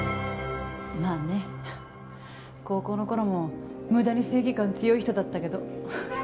まあね、高校のころも無駄に正義感強い人だったけど。